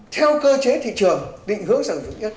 theo cơ chế thị trường định hướng sản xuất nhất